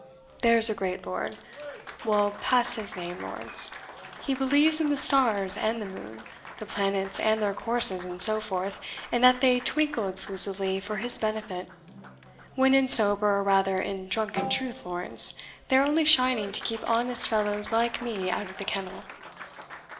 There's a great lord we'll pass his name, Lawrence he believes in the stars and the moon, the planets and their courses, and so forth, and that they twinkle exclusively for his benefit, when in sober, or rather in drunken truth, Lawrence, they are only shining to keep honest fellows like me out of the kennel.